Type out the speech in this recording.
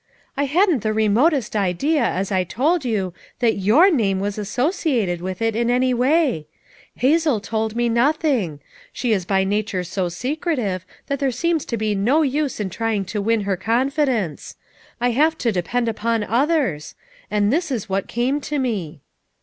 "I hadn't the remot est idea as I told you that your name was as sociated with it in any way; Hazel told me nothing; she is by nature so secretive that there seems to be no use in trying to win her confi dence; I have to depend upon others; and this is what came to me."